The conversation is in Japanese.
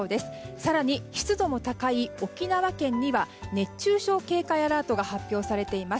更に湿度の高い沖縄県には熱中症警戒アラートが発表されています。